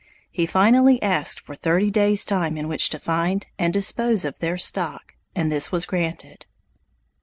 He finally asked for thirty days' time in which to find and dispose of their stock, and this was granted.